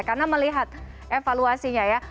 karena melihat evaluasinya ya